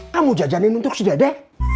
kamu jajanin untuk si dede